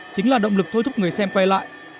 chính là động lực thôi thúc người xem quay lại